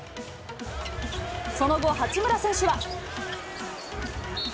その後、八村選手は。